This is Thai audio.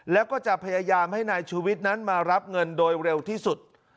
แล้วก็จะพยายามให้นายชูวิทย์นั้นมารับเงินโดยเร็วที่สุด